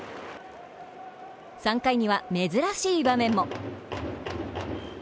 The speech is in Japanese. ３回には珍しい場面も。